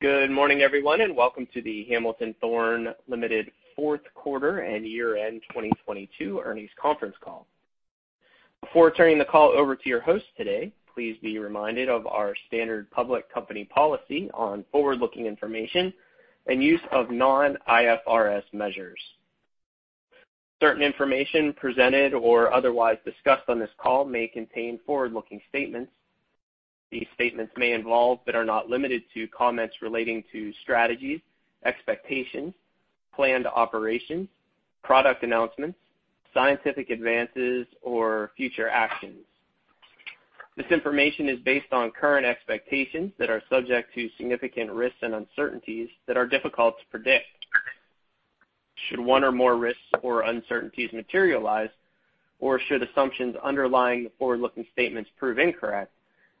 Good morning, everyone, welcome to the Hamilton Thorne Ltd. Q4 and year-end 2022 earnings conference call. Before turning the call over to your host today, please be reminded of our standard public company policy on forward-looking information and use of non-IFRS measures. Certain information presented or otherwise discussed on this call may contain forward-looking statements. These statements may involve, but are not limited to, comments relating to strategies, expectations, planned operations, product announcements, scientific advances, or future actions. This information is based on current expectations that are subject to significant risks and uncertainties that are difficult to predict. Should one or more risks or uncertainties materialize, or should assumptions underlying the forward-looking statements prove incorrect,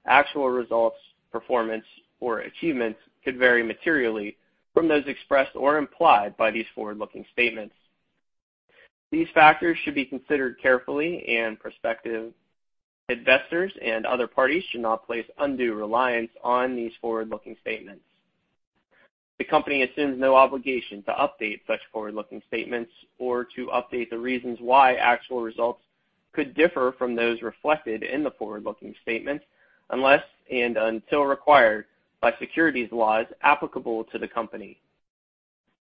actual results, performance, or achievements could vary materially from those expressed or implied by these forward-looking statements. These factors should be considered carefully and prospective. Investors and other parties should not place undue reliance on these forward-looking statements. The company assumes no obligation to update such forward-looking statements or to update the reasons why actual results could differ from those reflected in the forward-looking statements unless and until required by securities laws applicable to the company.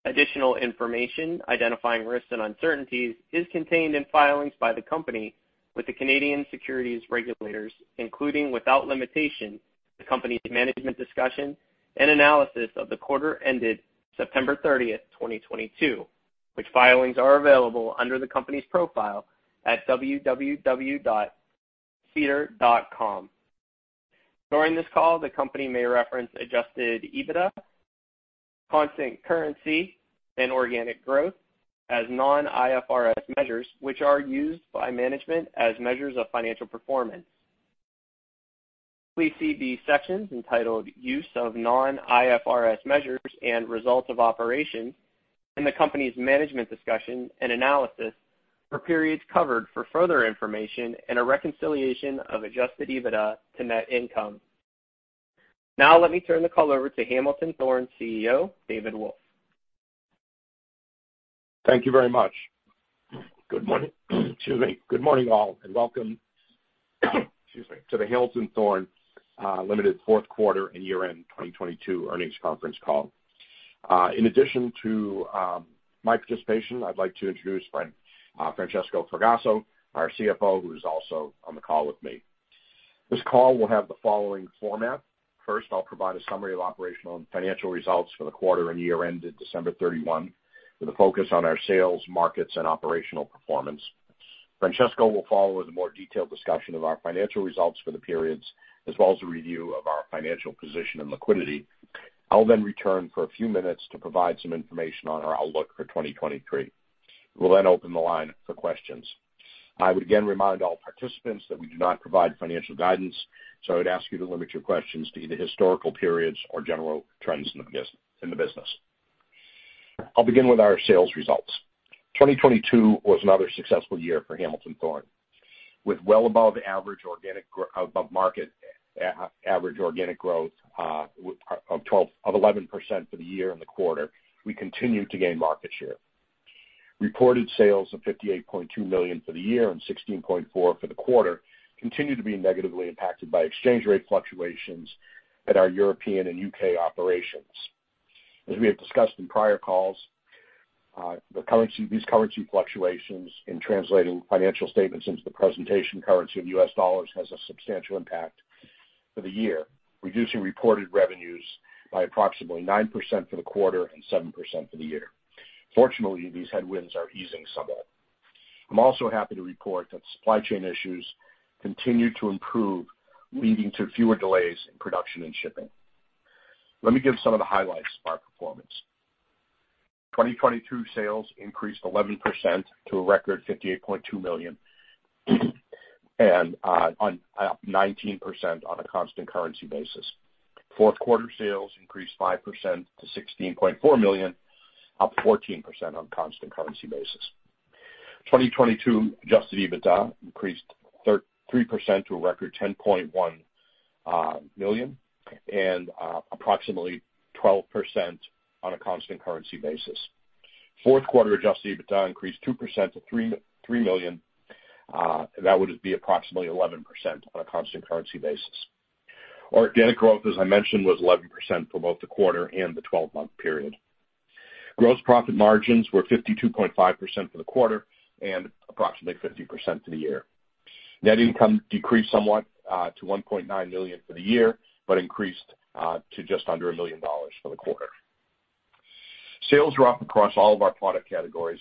Additional information identifying risks and uncertainties is contained in filings by the company with the Canadian Securities regulators, including, without limitation, the company's management discussion and analysis of the quarter ended September 30, 2022, which filings are available under the company's profile at www.SEDAR. During this call, the company may reference adjusted EBITDA, constant currency, and organic growth as non-IFRS measures, which are used by management as measures of financial performance. Please see the sections entitled Use of Non-IFRS Measures and Results of Operations in the company's management discussion and analysis for periods covered for further information and a reconciliation of adjusted EBITDA to net income. Let me turn the call over to Hamilton Thorne CEO, David Wolf. Thank you very much. Good morning. Excuse me. Good morning, all, and welcome, excuse me, to the Hamilton Thorne Ltd. Q4 and year-end 2022 earnings conference call. In addition to my participation, I'd like to introduce Francesco Fragasso, our CFO, who is also on the call with me. This call will have the following format. First, I'll provide a summary of operational and financial results for the quarter and year-end, December 31, with a focus on our sales, markets, and operational performance. Francesco will follow with a more detailed discussion of our financial results for the periods, as well as a review of our financial position and liquidity. I'll then return for a few minutes to provide some information on our outlook for 2023. We'll then open the line for questions. I would again remind all participants that we do not provide financial guidance, I would ask you to limit your questions to either historical periods or general trends in the business. I'll begin with our sales results. 2022 was another successful year for Hamilton Thorne. With well above average above-market average organic growth of 11% for the year and the quarter, we continued to gain market share. Reported sales of $58.2 million for the year and $16.4 million for the quarter continued to be negatively impacted by exchange rate fluctuations at our European and UK operations. As we have discussed in prior calls, these currency fluctuations in translating financial statements into the presentation currency of U.S. dollars has a substantial impact for the year, reducing reported revenues by approximately 9% for the quarter and 7% for the year. Fortunately, these headwinds are easing somewhat. I'm also happy to report that supply chain issues continue to improve, leading to fewer delays in production and shipping. Let me give some of the highlights of our performance. 2022 sales increased 11% to a record $58.2 million, 19% on a constant currency basis. Q4 sales increased 5% to $16.4 million, up 14% on constant currency basis. 2022 adjusted EBITDA increased 3% to a record $10.1 million and approximately 12% on a constant currency basis. Q4 adjusted EBITDA increased 2% to $3 million, and that would be approximately 11% on a constant currency basis. Our organic growth, as I mentioned, was 11% for both the quarter and the 12-month period. Gross profit margins were 52.5% for the quarter and approximately 50% for the year. Net income decreased somewhat to $1.9 million for the year, but increased to just under $1 million for the quarter. Sales were up across all of our product categories,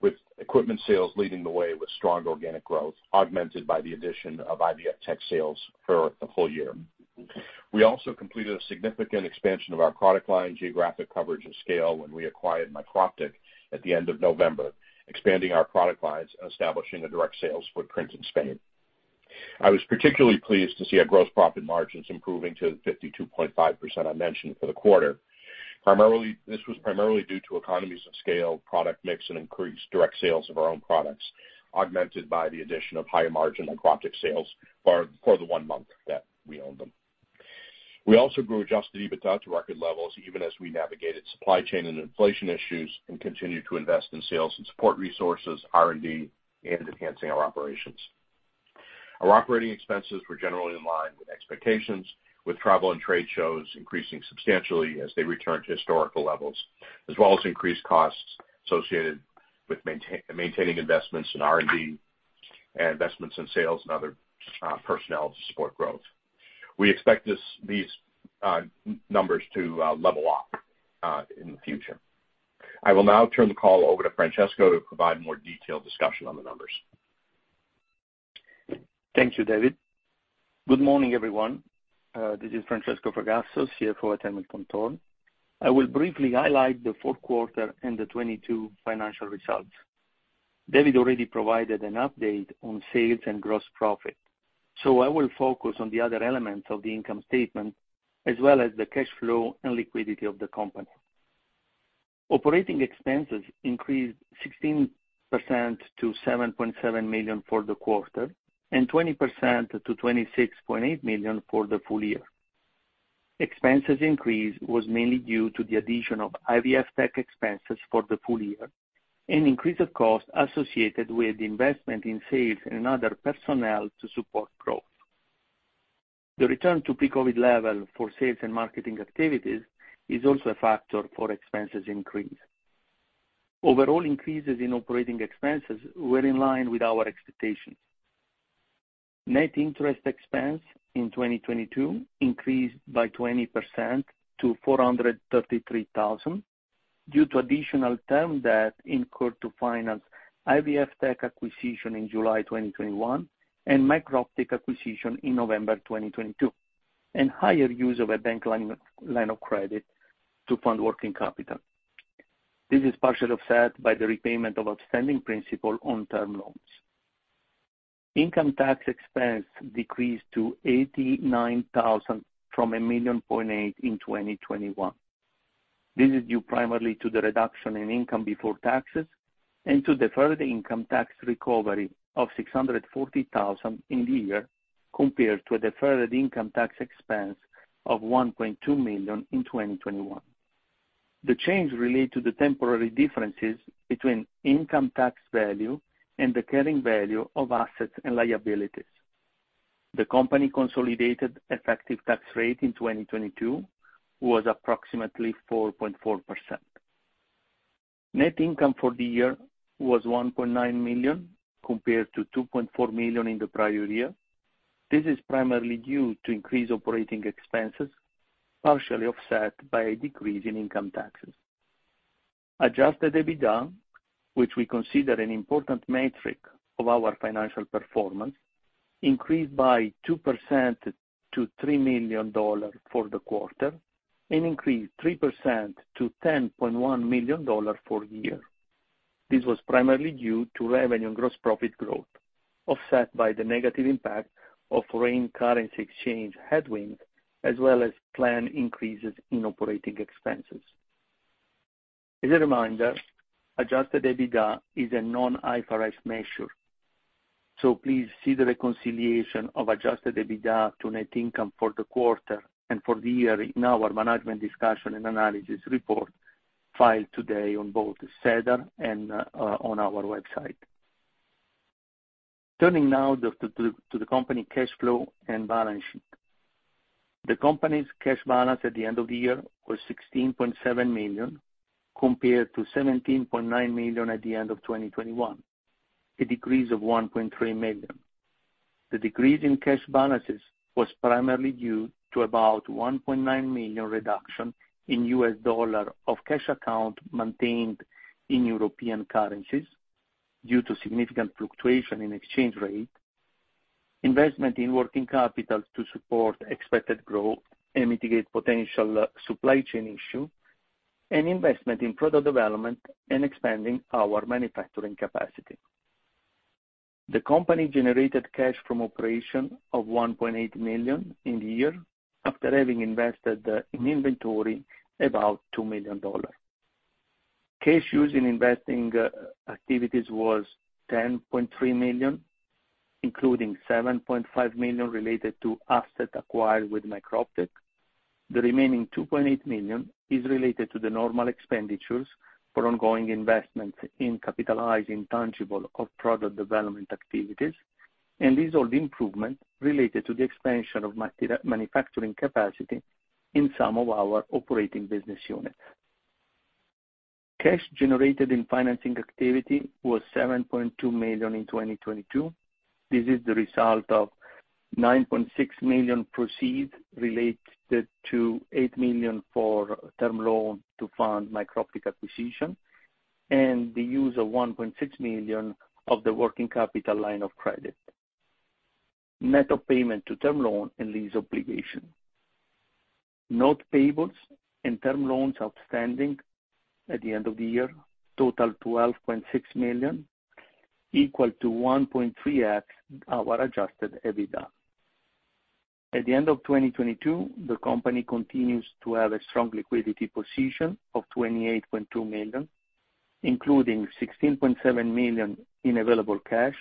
with equipment sales leading the way with strong organic growth, augmented by the addition of IVFtech sales for the whole year. We also completed a significant expansion of our product line, geographic coverage, and scale when we acquired Microptic at the end of November, expanding our product lines and establishing a direct sales footprint in Spain. I was particularly pleased to see our gross profit margins improving to the 52.5% I mentioned for the quarter. Primarily, this was primarily due to economies of scale, product mix, and increased direct sales of our own products, augmented by the addition of higher margin Microptic sales for the one month that we owned them. We also grew adjusted EBITDA to record levels even as we navigated supply chain and inflation issues and continued to invest in sales and support resources, R&D, and enhancing our operations. Our operating expenses were generally in line with expectations, with travel and trade shows increasing substantially as they return to historical levels, as well as increased costs associated with maintaining investments in R&D and investments in sales and other personnel to support growth. We expect these numbers to level off in the future. I will now turn the call over to Francesco to provide more detailed discussion on the numbers. Thank you, David. Good morning, everyone. This is Francesco Fragasso, CFO at Hamilton Thorne. I will briefly highlight the Q4 and the 2022 financial results. David already provided an update on sales and gross profit, so I will focus on the other elements of the income statement as well as the cash flow and liquidity of the company. Operating expenses increased 16% to $7.7 million for the quarter and 20% to $26.8 million for the full year. Expenses increase was mainly due to the addition of IVFtech expenses for the full year, an increase of cost associated with investment in sales and other personnel to support growth. The return to pre-COVID level for sales and marketing activities is also a factor for expenses increase. Overall increases in operating expenses were in line with our expectations. Net interest expense in 2022 increased by 20% to $433,000 due to additional term debt incurred to finance IVFtech acquisition in July 2021 and Microptic acquisition in November 2022, higher use of a bank line of credit to fund working capital. This is partially offset by the repayment of outstanding principal on term loans. Income tax expense decreased to $89,000 from $1.8 million in 2021. This is due primarily to the reduction in income before taxes and to deferred income tax recovery of $640,000 in the year compared to a deferred income tax expense of $1.2 million in 2021. The change relate to the temporary differences between income tax value and the carrying value of assets and liabilities. The company consolidated effective tax rate in 2022 was approximately 4.4%. Net income for the year was $1.9 million compared to $2.4 million in the prior year. This is primarily due to increased operating expenses, partially offset by a decrease in income taxes. Adjusted EBITDA, which we consider an important metric of our financial performance, increased by 2% to $3 million for the quarter and increased 3% to $10.1 million for year. This was primarily due to revenue and gross profit growth, offset by the negative impact of foreign currency exchange headwind as well as planned increases in operating expenses. As a reminder, adjusted EBITDA is a non-IFRS measure. Please see the reconciliation of adjusted EBITDA to net income for the quarter and for the year in our management discussion and analysis report filed today on both the SEDAR and on our website. Turning now to the company cash flow and balance sheet. The company's cash balance at the end of the year was $16.7 million compared to $17.9 million at the end of 2021, a decrease of $1.3 million. The decrease in cash balances was primarily due to about $1.9 million reduction in U.S. dollar of cash account maintained in European currencies due to significant fluctuation in exchange rate, investment in working capital to support expected growth and mitigate potential supply chain issue, and investment in product development and expanding our manufacturing capacity. The company generated cash from operation of $1.8 million in the year after having invested in inventory about $2 million. Cash used in investing activities was $10.3 million, including $7.5 million related to assets acquired with Microptic. The remaining $2.8 million is related to the normal expenditures for ongoing investments in capitalizing tangible of product development activities, and these are the improvement related to the expansion of manufacturing capacity in some of our operating business units. Cash generated in financing activity was $7.2 million in 2022. This is the result of $9.6 million proceed related to $8 million for term loan to fund Microptic acquisition and the use of $1.6 million of the working capital line of credit. Net of payment to term loan and lease obligation. Note payables and term loans outstanding at the end of the year total $12.6 million, equal to 1.3x our adjusted EBITDA. At the end of 2022, the company continues to have a strong liquidity position of $28.2 million, including $16.7 million in available cash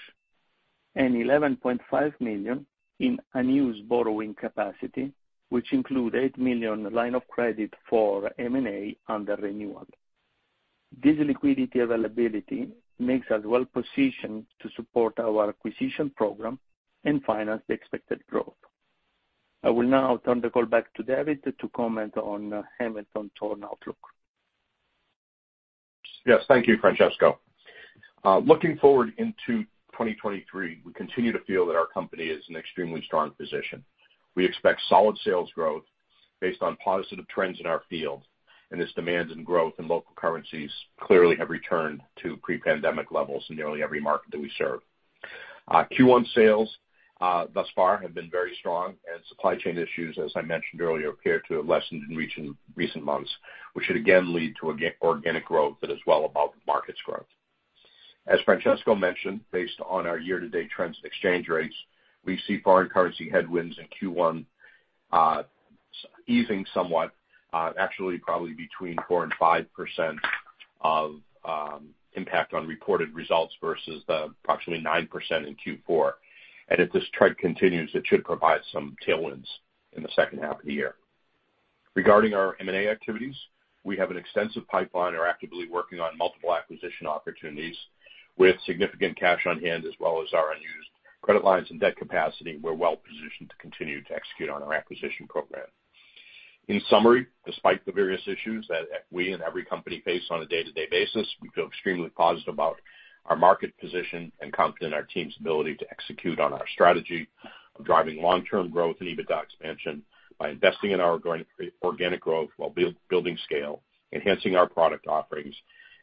and $11.5 million in unused borrowing capacity, which include $8 million line of credit for M&A under renewal. This liquidity availability makes us well-positioned to support our acquisition program and finance the expected growth. I will now turn the call back to David to comment on Hamilton Thorne outlook. Yes. Thank you, Francesco. Looking forward into 2023, we continue to feel that our company is in extremely strong position. We expect solid sales growth based on positive trends in our field. This demands and growth in local currencies clearly have returned to pre-pandemic levels in nearly every market that we serve. Q1 sales thus far have been very strong. Supply chain issues, as I mentioned earlier, appear to have lessened in recent months, which should again lead to organic growth that is well above markets growth. As Francesco mentioned, based on our year-to-date trends exchange rates, we see foreign currency headwinds in Q1 easing somewhat, actually probably between 4%-5% of impact on reported results versus the approximately 9% in Q4. If this trend continues, it should provide some tailwinds in the second half of the year. Regarding our M&A activities, we have an extensive pipeline. We're actively working on multiple acquisition opportunities. With significant cash on hand as well as our unused credit lines and debt capacity, we're well positioned to continue to execute on our acquisition program. In summary, despite the various issues that we and every company face on a day-to-day basis, we feel extremely positive about our market position and confident our team's ability to execute on our strategy of driving long-term growth and EBITDA expansion by investing in our organic growth while building scale, enhancing our product offerings,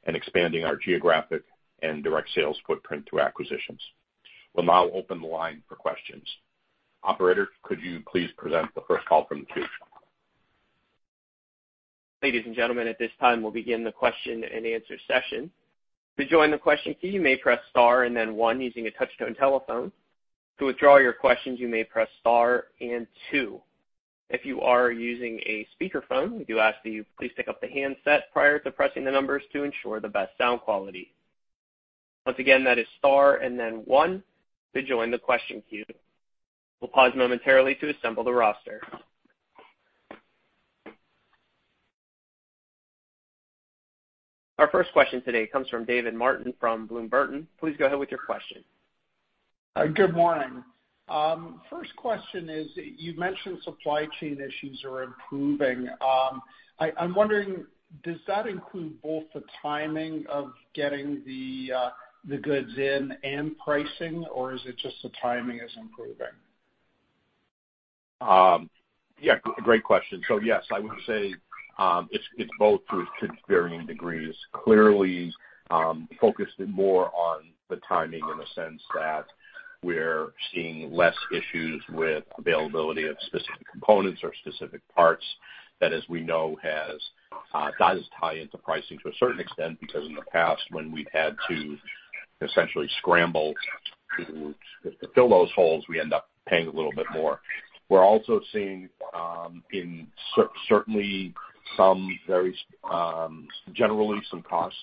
and expanding our geographic and direct sales footprint through acquisitions. We'll now open the line for questions. Operator, could you please present the first call from the queue? Ladies and gentlemen, at this time, we'll begin the question-and-answer session. To join the question queue, you may press star and then 1 using a touch-tone telephone. To withdraw your questions, you may press star and 2. If you are using a speakerphone, we do ask that you please pick up the handset prior to pressing the numbers to ensure the best sound quality. Once again, that is star and then 1 to join the question queue. We'll pause momentarily to assemble the roster. Our first question today comes from David Martin from Bloom Burton. Please go ahead with your question. Good morning. First question is, you've mentioned supply chain issues are improving. I'm wondering, does that include both the timing of getting the goods in and pricing, or is it just the timing is improving? Yeah, great question. Yes, I would say it's both to varying degrees. Clearly, focused more on the timing in the sense that we're seeing less issues with availability of specific components or specific parts that as we know has that is tied into pricing to a certain extent because in the past when we've had to essentially scramble to fill those holes, we end up paying a little bit more. We're also seeing certainly some very generally some cost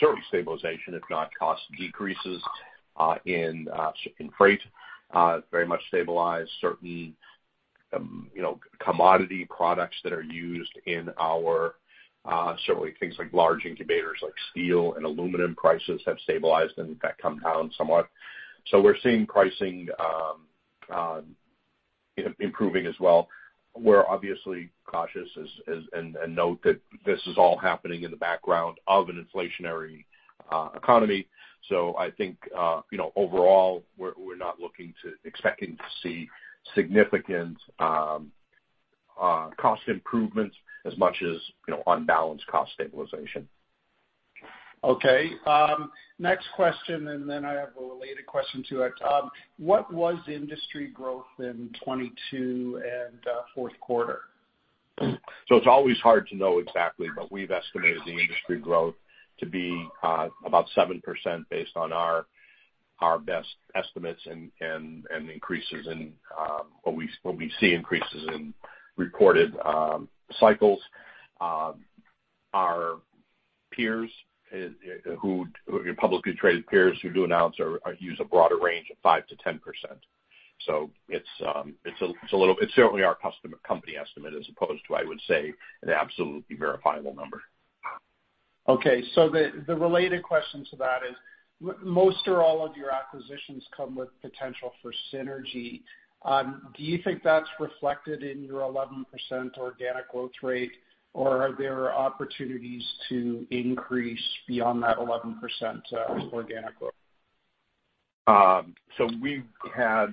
certainly stabilization, if not cost decreases, in freight, very much stabilized certain, you know, commodity products that are used in our certainly things like large incubators like steel and aluminum prices have stabilized and in fact come down somewhat. We're seeing pricing improving as well. We're obviously cautious and note that this is all happening in the background of an inflationary economy. I think, you know, overall, we're not looking to expecting to see significant cost improvements as much as, you know, unbalanced cost stabilization. Okay. next question, and then I have a related question to it. What was industry growth in 22 and, Q4? It's always hard to know exactly, but we've estimated the industry growth to be about 7% based on our best estimates and increases in what we see increases in reported cycles. Our peers, publicly traded peers who do announce or use a broader range of 5%-10%. It's certainly our customer company estimate as opposed to, I would say, an absolutely verifiable number. Okay. The related question to that is, most or all of your acquisitions come with potential for synergy. Do you think that's reflected in your 11% organic growth rate, or are there opportunities to increase beyond that 11% organic growth? We've had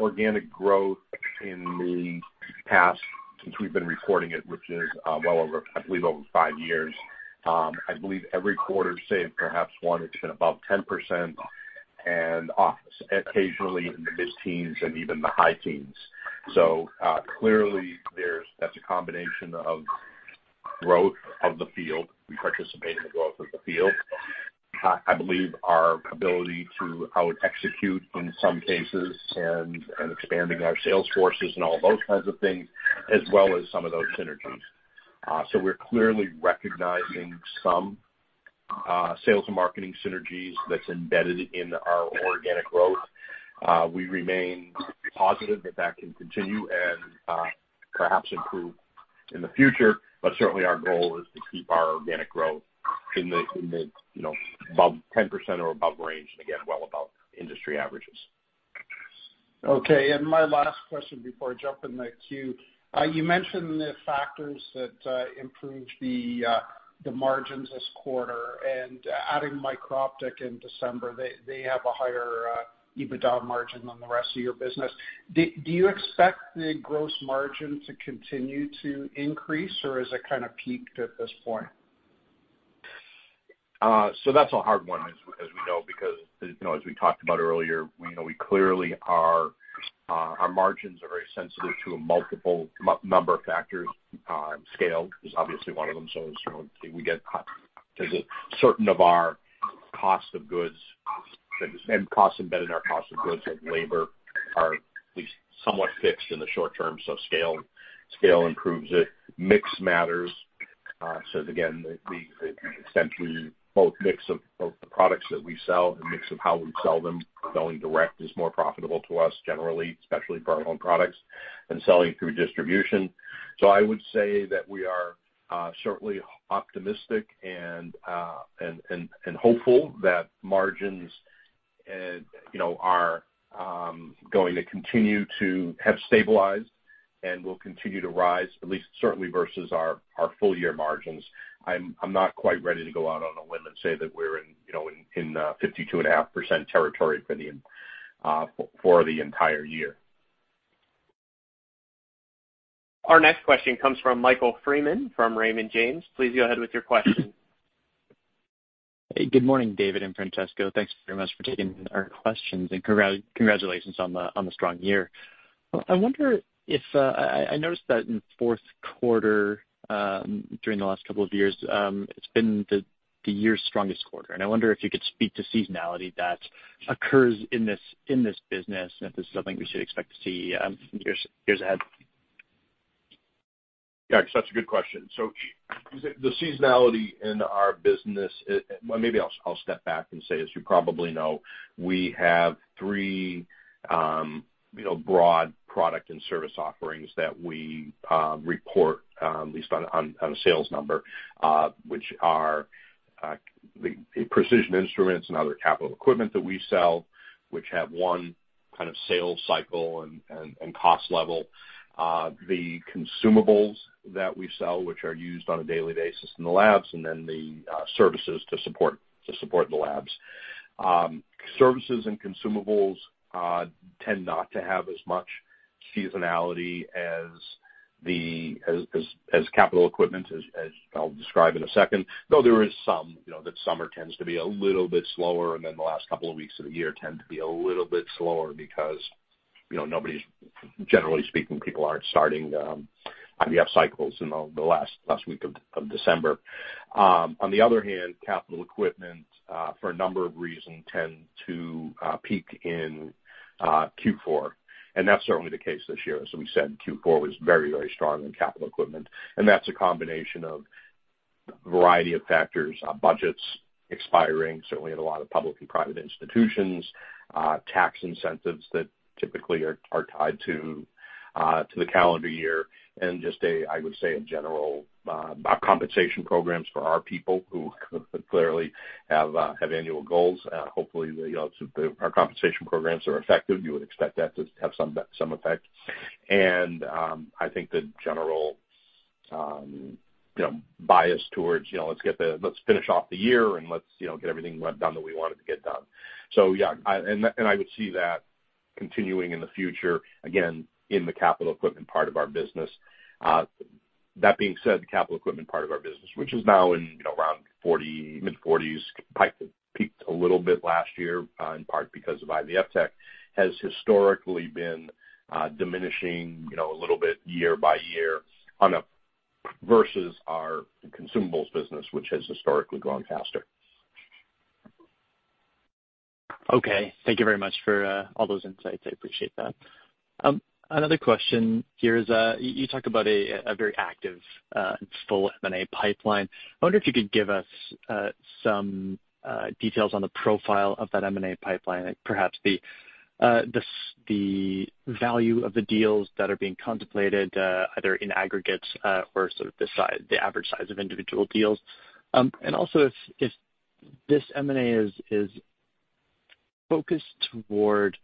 organic growth in the past since we've been recording it, which is well over, I believe, over five years. I believe every quarter, save perhaps one, it's been above 10% and occasionally in the mid-teens and even the high teens. Clearly, it's a combination of growth of the field. We participate in the growth of the field. I believe our ability to out-execute in some cases and expanding our sales forces and all those kinds of things, as well as some of those synergies. We're clearly recognizing some sales and marketing synergies that's embedded in our organic growth. We remain positive that that can continue and perhaps improve in the future. Certainly our goal is to keep our organic growth in the, you know, above 10% or above range, and again, well above industry averages. Okay. My last question before I jump in the queue. You mentioned the factors that improved the margins this quarter and adding Microptic in December, they have a higher EBITDA margin than the rest of your business. Do you expect the gross margin to continue to increase, or has it kind of peaked at this point? That's a hard one, as we know, because, you know, as we talked about earlier, you know, we clearly are, our margins are very sensitive to a multiple number of factors. Scale is obviously one of them, so is, you know, we get certain of our cost of goods and costs embedded in our cost of goods, like labor are at least somewhat fixed in the short term, so scale improves it. Mix matters. Again, the extent we both mix of both the products that we sell, the mix of how we sell them, selling direct is more profitable to us generally, especially for our own products and selling through distribution. I would say that we are certainly optimistic and hopeful that margins, you know, are going to continue to have stabilized and will continue to rise, at least certainly versus our full year margins. I'm not quite ready to go out on a limb and say that we're in, you know, in 52.5% territory for the entire year. Our next question comes from Michael Freeman from Raymond James. Please go ahead with your question. Hey, good morning, David and Francesco. Thanks very much for taking our questions and congratulations on the strong year. I wonder if I noticed that in the Q4, during the last couple of years, it's been the year's strongest quarter, and I wonder if you could speak to seasonality that occurs in this business, and if this is something we should expect to see years ahead? Yeah, that's a good question. The seasonality in our business. Well, maybe I'll step back and say, as you probably know, we have three, you know, broad product and service offerings that we report, at least on a sales number, which are the precision instruments and other capital equipment that we sell, which have one kind of sales cycle and cost level. The consumables that we sell, which are used on a daily basis in the labs, and then the services to support the labs. Services and consumables tend not to have as much seasonality as capital equipment, as I'll describe in a second, though there is some, you know, that summer tends to be a little bit slower, and then the last couple of weeks of the year tend to be a little bit slower because, you know, nobody's, generally speaking, people aren't starting IVF cycles, you know, the last week of December. On the other hand, capital equipment, for a number of reasons, tend to peak in Q4, and that's certainly the case this year. We said Q4 was very, very strong in capital equipment, and that's a combination of a variety of factors, budgets expiring, certainly in a lot of public and private institutions, tax incentives that typically are tied to the calendar year and just a, I would say, a general, compensation programs for our people who clearly have annual goals. Hopefully, the, you know, our compensation programs are effective. You would expect that to have some effect. I think the general, you know, bias towards, you know, let's finish off the year and let's, you know, get everything done that we wanted to get done. Yeah, I, and I would see that continuing in the future, again in the capital equipment part of our business. That being said, the capital equipment part of our business, which is now in, you know, around 40, mid-40s, peaked a little bit last year, in part because of IVFtech, has historically been diminishing, you know, a little bit year by year versus our consumables business, which has historically grown faster. Okay. Thank you very much for all those insights. I appreciate that. Another question here is, you talked about a very active and full M&A pipeline. I wonder if you could give us some details on the profile of that M&A pipeline, like perhaps the value of the deals that are being contemplated, either in aggregate, or sort of the size, the average size of individual deals. Also if this M&A is focused toward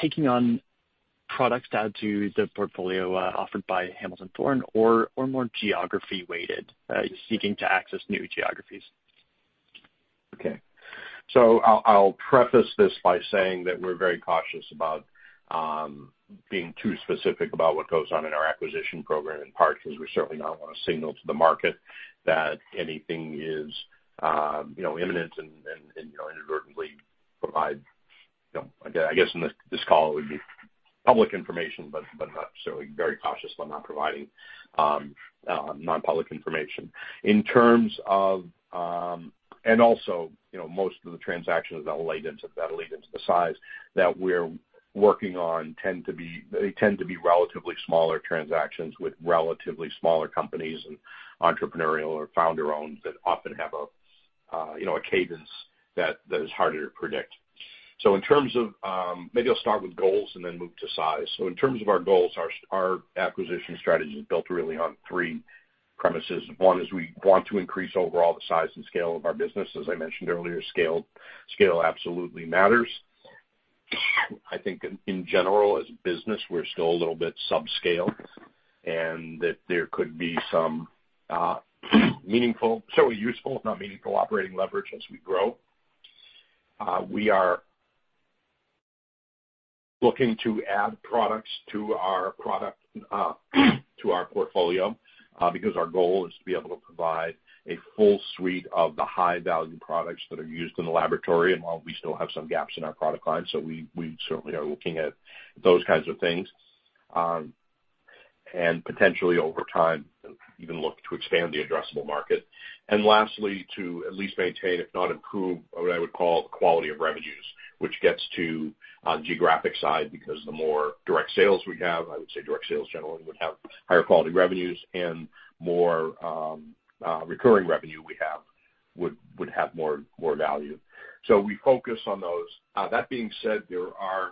taking on products to add to the portfolio offered by Hamilton Thorne or more geography weighted, seeking to access new geographies. Okay. I'll preface this by saying that we're very cautious about being too specific about what goes on in our acquisition program, in part because we certainly not want to signal to the market that anything is, you know, imminent and, you know, inadvertently provide. No, I guess in this call it would be public information, but not certainly very cautious about not providing non-public information. In terms of, you know, most of the transactions that'll lead into the size that we're working on tend to be. They tend to be relatively smaller transactions with relatively smaller companies and entrepreneurial or founder-owned that often have a, you know, a cadence that is harder to predict. In terms of, maybe I'll start with goals and then move to size. In terms of our goals, our acquisition strategy is built really on three premises. One is we want to increase overall the size and scale of our business. As I mentioned earlier, scale absolutely matters. I think in general, as a business, we're still a little bit subscale, and that there could be some meaningful, certainly useful if not meaningful, operating leverage as we grow. We are looking to add products to our product to our portfolio because our goal is to be able to provide a full suite of the high-value products that are used in the laboratory. While we still have some gaps in our product line, so we certainly are looking at those kinds of things and potentially over time even look to expand the addressable market. Lastly, to at least maintain, if not improve, what I would call the quality of revenues, which gets to geographic side because the more direct sales we have, I would say direct sales generally would have higher quality revenues and more recurring revenue we have would have more value. We focus on those. That being said, there are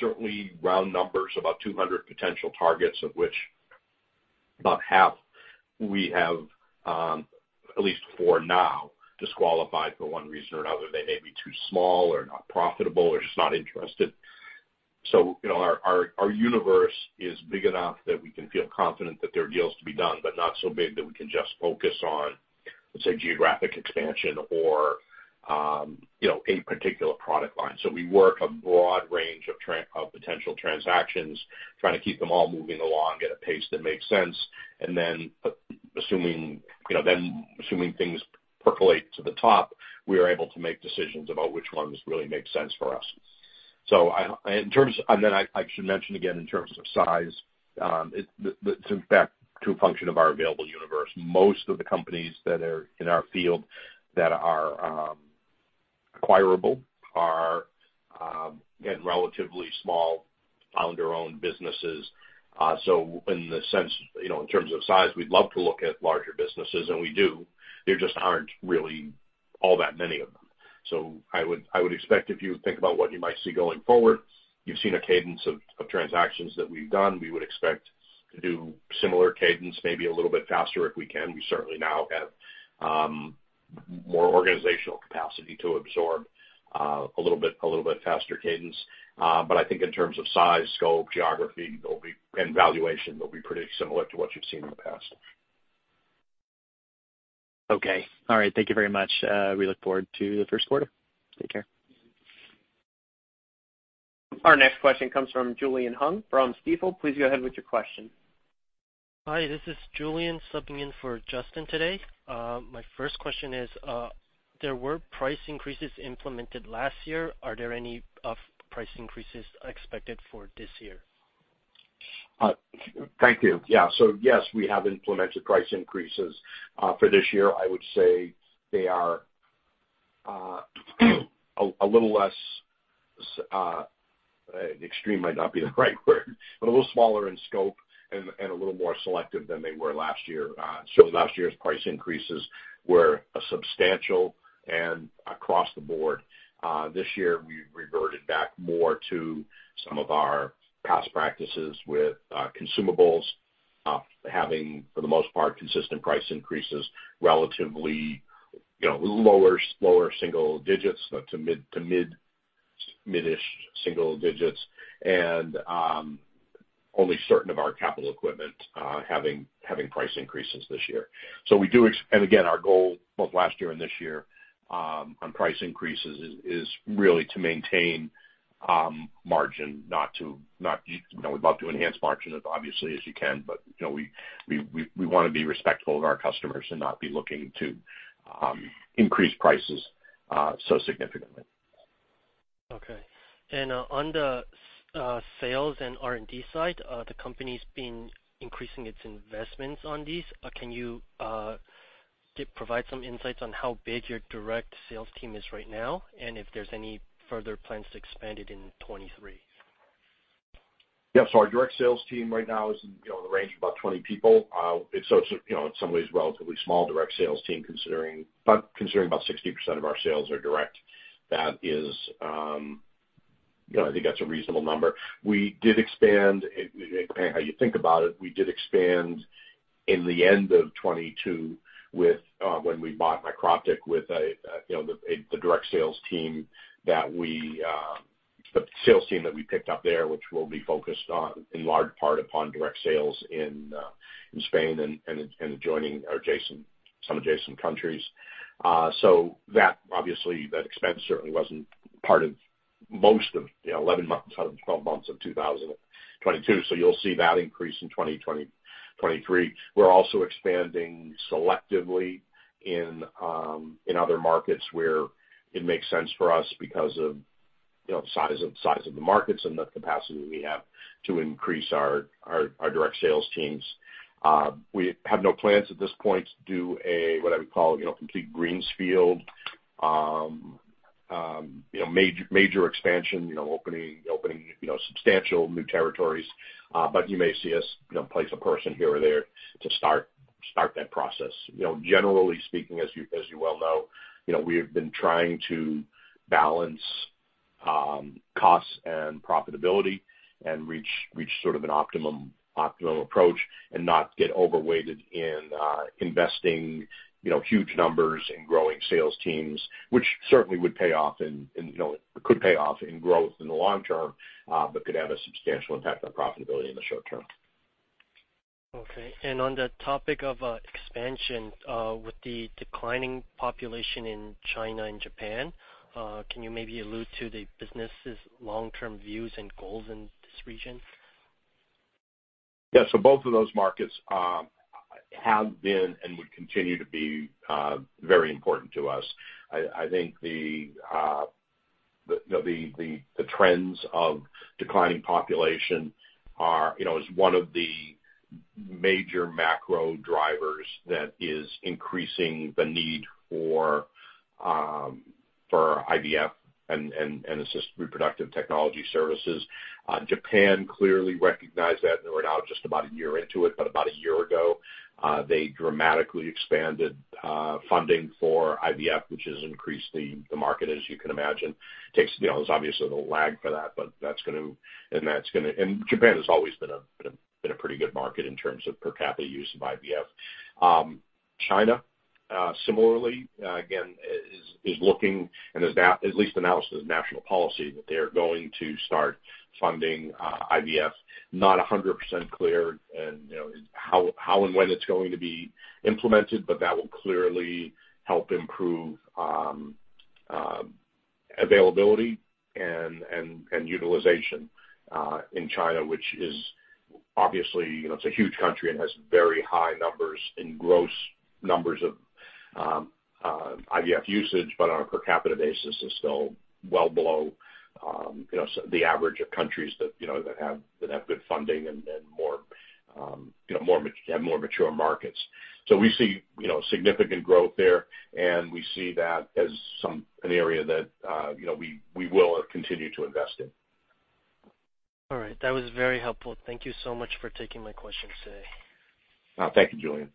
certainly round numbers, about 200 potential targets of which about half we have, at least for now, disqualified for one reason or another. They may be too small or not profitable or just not interested. You know, our universe is big enough that we can feel confident that there are deals to be done, but not so big that we can just focus on, let's say, geographic expansion or, you know, a particular product line. We work a broad range of potential transactions, trying to keep them all moving along at a pace that makes sense. Assuming, you know, things percolate to the top, we are able to make decisions about which ones really make sense for us. I should mention again in terms of size, it's in fact a function of our available universe. Most of the companies that are in our field that are acquirable are again, relatively small founder-owned businesses. In the sense, you know, in terms of size, we'd love to look at larger businesses, and we do. There just aren't really all that many of them. I would expect if you think about what you might see going forward, you've seen a cadence of transactions that we've done. We would expect to do similar cadence, maybe a little bit faster if we can. We certainly now have more organizational capacity to absorb a little bit faster cadence. I think in terms of size, scope, geography, they'll be, and valuation, they'll be pretty similar to what you've seen in the past. Okay. All right. Thank you very much. We look forward to the Q1. Take care. Our next question comes from Julian Hung from Stifel. Please go ahead with your question. Hi, this is Julian subbing in for Justin today. My first question is, there were price increases implemented last year. Are there any price increases expected for this year? Thank you. Yeah. Yes, we have implemented price increases for this year. I would say they are a little less extreme might not be the right word, but a little smaller in scope and a little more selective than they were last year. Last year's price increases were a substantial and across the board. This year we've reverted back more to some of our past practices with consumables, having, for the most part, consistent price increases, relatively, you know, lower single digits to mid-ish single digits. Only certain of our capital equipment having price increases this year. We do and again, our goal both last year and this year, on price increases is really to maintain margin, not, you know, we'd love to enhance margin as obviously as you can, but, you know, we wanna be respectful of our customers and not be looking to increase prices so significantly. Okay. On the sales and R&D side, the company's been increasing its investments on these. Can you provide some insights on how big your direct sales team is right now, and if there's any further plans to expand it in 2023? Our direct sales team right now is, you know, in the range of about 20 people. It's, you know, in some ways relatively small direct sales team considering, but considering about 60% of our sales are direct, that is, you know, I think that's a reasonable number. We did expand, depending how you think about it, we did expand in the end of 2022 when we bought Microptic with the direct sales team that we picked up there, which will be focused on, in large part upon direct sales in Spain and adjacent, some adjacent countries. That obviously, that expense certainly wasn't part of most of, you know, 11 months out of 12 months of 2022. You'll see that increase in 2023. We're also expanding selectively in other markets where it makes sense for us because of, you know, size of the markets and the capacity we have to increase our, our direct sales teams. We have no plans at this point to do a, what I would call, you know, complete greenfield, you know, major expansion, you know, opening, you know, substantial new territories. You may see us, you know, place a person here or there to start that process. You know, generally speaking, as you well know, you know, we have been trying to balance costs and profitability and reach sort of an optimum approach and not get overweighted in investing, you know, huge numbers in growing sales teams, which certainly would pay off in, you know, could pay off in growth in the long term, but could have a substantial impact on profitability in the short term. Okay. On the topic of expansion, with the declining population in China and Japan, can you maybe allude to the business' long-term views and goals in this region? Yeah. Both of those markets have been and would continue to be very important to us. I think the, you know, the trends of declining population are, you know, is one of the major macro drivers that is increasing the need for IVF and assisted reproductive technology services. Japan clearly recognized that. We're now just about a year into it, but about a year ago, they dramatically expanded funding for IVF, which has increased the market, as you can imagine. Takes, you know, there's obviously a little lag for that. Japan has always been a pretty good market in terms of per capita use of IVF. China, similarly, again, is looking and has now at least announced as national policy that they are going to start funding IVF. Not 100% clear and, you know, how and when it's going to be implemented, but that will clearly help improve availability and utilization in China, which is obviously, you know, it's a huge country and has very high numbers in gross numbers of IVF usage, but on a per capita basis is still well below, you know, the average of countries that, you know, that have good funding and more, you know, have more mature markets. We see, you know, significant growth there, and we see that as an area that, you know, we will continue to invest in. All right. That was very helpful. Thank you so much for taking my question today. Thank you, Julian.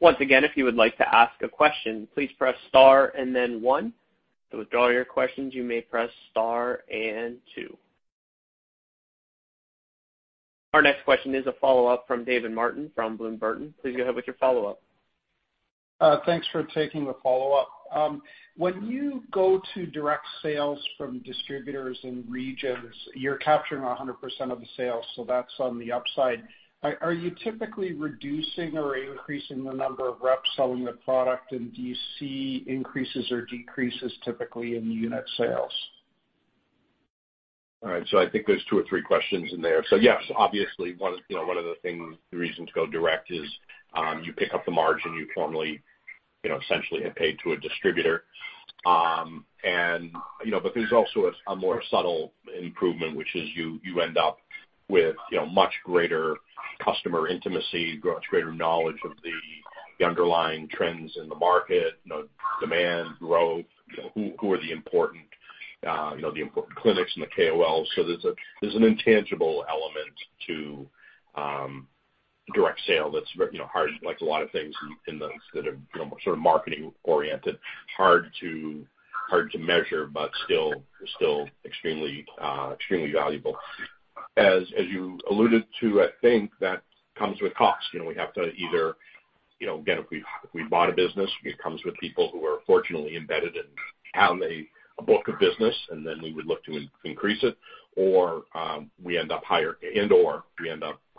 Once again, if you would like to ask a question, please press star and then one. To withdraw your questions, you may press star and two. Our next question is a follow-up from David Martin from Bloom Burton. Please go ahead with your follow-up. Thanks for taking the follow-up. When you go to direct sales from distributors in regions, you're capturing 100% of the sales, so that's on the upside. Are you typically reducing or increasing the number of reps selling the product? Do you see increases or decreases typically in the unit sales? All right. I think there's 2 or 3 questions in there. Yes, obviously one, you know, one of the things, the reason to go direct is, you pick up the margin you formerly, you know, essentially had paid to a distributor. You know, there's also a more subtle improvement, which is you end up with, you know, much greater customer intimacy, much greater knowledge of the underlying trends in the market, you know, demand, growth, you know, who are the important, you know, the important clinics and the KOLs. There's a, there's an intangible element to direct sale that's, you know, hard, like a lot of things in the that are, you know, sort of marketing oriented, hard to, hard to measure, but still extremely valuable. As you alluded to, I think that comes with costs. You know, we have to either, you know, again, if we bought a business, it comes with people who are fortunately embedded and have a book of business. Then we would look to increase it. We end up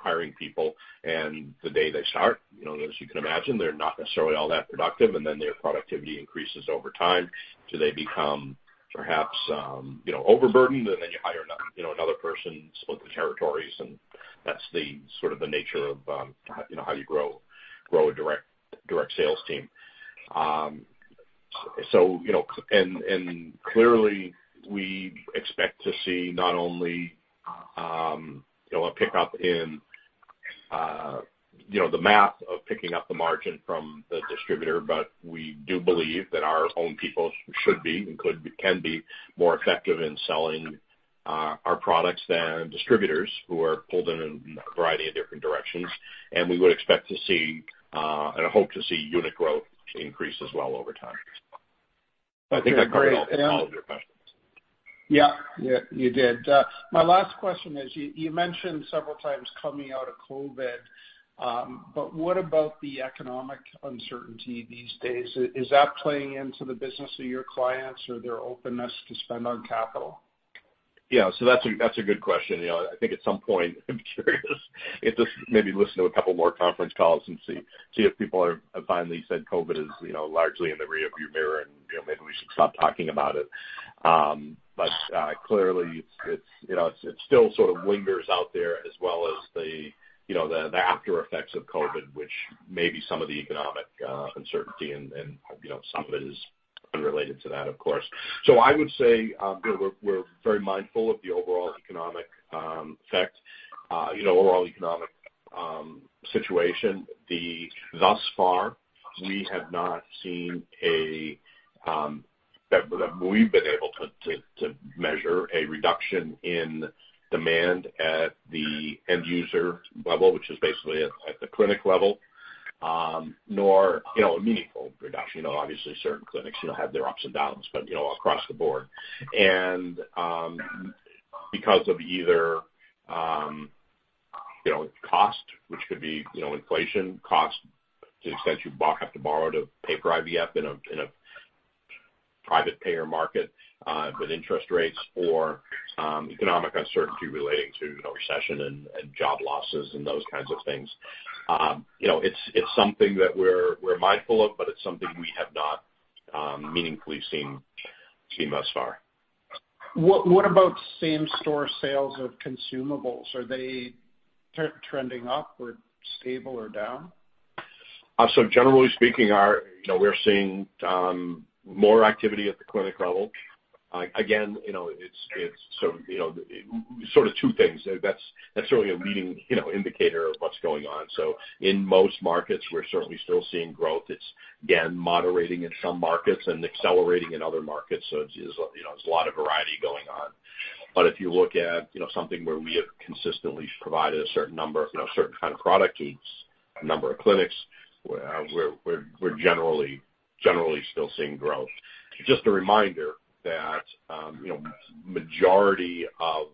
hiring people. The day they start, you know, as you can imagine, they're not necessarily all that productive. Then their productivity increases over time till they become perhaps, you know, overburdened. Then you hire, you know, another person, split the territories. That's the sort of the nature of how, you know, how you grow a direct sales team. You know, and clearly, we expect to see not only, you know, a pickup in, you know, the math of picking up the margin from the distributor, but we do believe that our own people should be and can be more effective in selling our products than distributors who are pulled in a variety of different directions. We would expect to see, and hope to see unit growth increase as well over time. Okay, great. I think that covers all of your questions. Yeah, you did. My last question is, you mentioned several times coming out of COVID, but what about the economic uncertainty these days? Is that playing into the business of your clients or their openness to spend on capital? Yeah. That's a good question. You know, I think at some point, I'm curious if this maybe listen to a couple more conference calls and see if people have finally said COVID is, you know, largely in the rearview mirror and, you know, maybe we should stop talking about it. Clearly it's, you know, it's still sort of lingers out there as well as the, you know, the after effects of COVID, which may be some of the economic uncertainty and, you know, some of it is unrelated to that of course. I would say, you know, we're very mindful of the overall economic effect, you know, overall economic situation. Thus far, we have not seen a that we've been able to measure a reduction in demand at the end user level, which is basically at the clinic level, nor, you know, a meaningful reduction. You know, obviously certain clinics, you know, have their ups and downs, but, you know, across the board. Because of either, you know, cost, which could be, you know, inflation cost to the extent you have to borrow to pay for IVF in a private payer market, with interest rates or economic uncertainty relating to, you know, recession and job losses and those kinds of things. You know, it's something that we're mindful of, but it's something we have not meaningfully seen thus far. What about same store sales of consumables? Are they trending up or stable or down? Generally speaking, you know, we're seeing more activity at the clinic level. Again, you know, it's, you know, sort of two things. That's certainly a leading, you know, indicator of what's going on. In most markets, we're certainly still seeing growth. It's, again, moderating in some markets and accelerating in other markets. It's, you know, there's a lot of variety going on. If you look at, you know, something where we have consistently provided a certain number, you know, a certain kind of product to a number of clinics, we're generally still seeing growth. Just a reminder that, you know, majority of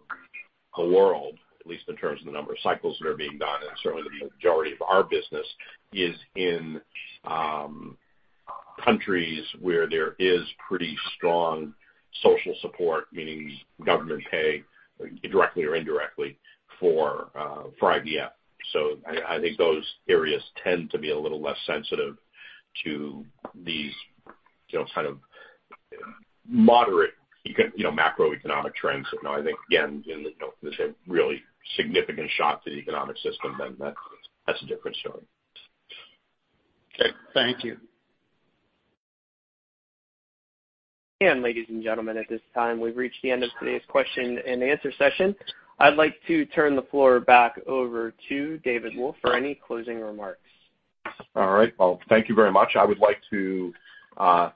the world, at least in terms of the number of cycles that are being done, and certainly the majority of our business, is in countries where there is pretty strong social support, meaning government pay directly or indirectly for IVF. I think those areas tend to be a little less sensitive to these, you know, kind of moderate, you know, macroeconomic trends. You know, I think again, you know, there's a really significant shock to the economic system then that's a different story. Okay. Thank you. Ladies and gentlemen, at this time, we've reached the end of today's question and answer session. I'd like to turn the floor back over to David Wolf for any closing remarks. All right. Well, thank you very much. I would like to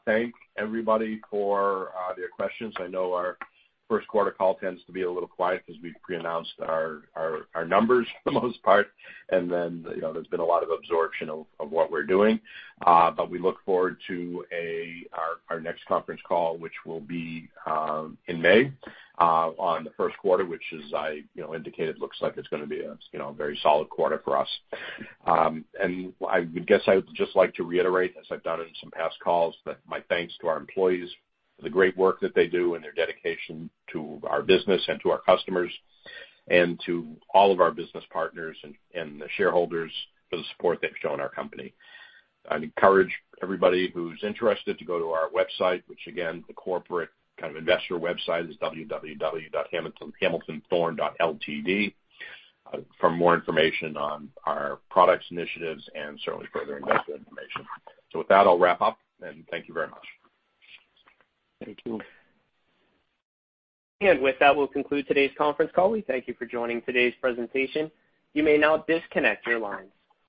thank everybody for their questions. I know our Q1 call tends to be a little quiet because we've pre-announced our numbers for the most part. You know, there's been a lot of absorption of what we're doing. We look forward to our next conference call, which will be in May on the Q1, which as I, you know, indicated, looks like it's gonna be a very solid quarter for us. I guess I would just like to reiterate, as I've done in some past calls, that my thanks to our employees for the great work that they do and their dedication to our business and to our customers and to all of our business partners and the shareholders for the support they've shown our company. I'd encourage everybody who's interested to go to our website, which again, the corporate kind of investor website is www.hamiltonthorne.ltd, for more information on our products, initiatives and certainly further investor information. With that, I'll wrap up and thank you very much. Thank you. With that, we'll conclude today's conference call. We thank you for joining today's presentation. You may now disconnect your lines.